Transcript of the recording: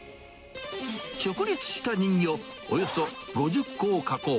直立した人形およそ５０個を加工。